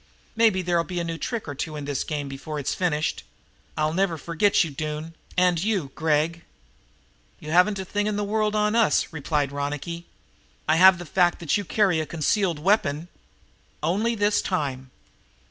"Maybe there'll be a new trick or two in this game before it's finished. I'll never forget you, Doone, and you, Gregg." "You haven't a thing in the world on us," replied Ronicky. "I have the fact that you carry concealed weapons." "Only this time."